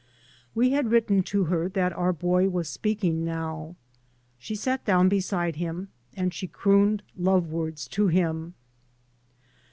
We had written to her that our boy was speaking now. She sat down beside him, and she crooned love words to him.